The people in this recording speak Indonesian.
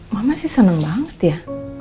mama sih seneng banget ya